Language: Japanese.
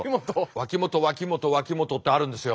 「脇本脇本脇本」ってあるんですよ。